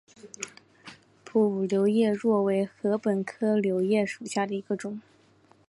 匍匐柳叶箬为禾本科柳叶箬属下的一个种。